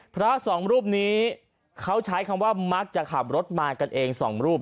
พระสองรูปนี้เขาใช้คำว่ามักจะขับรถมากันเองสองรูป